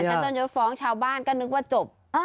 ศรรศนการจนยกฟ้องชาวบ้านก็นึกว่าจบ